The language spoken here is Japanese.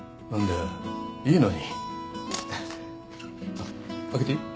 あっ開けていい？